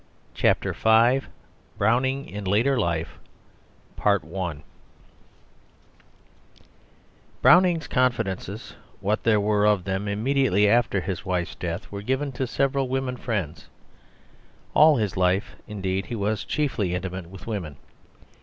CHAPTER V BROWNING IN LATER LIFE Browning's confidences, what there were of them, immediately after his wife's death were given to several women friends; all his life, indeed, he was chiefly intimate with women.